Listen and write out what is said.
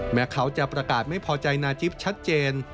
แม้เขาจะประกาศไม่พอใจนาจิ๊บชัดเจน